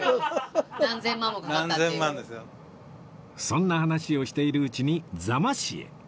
そんな話をしているうちに座間市へ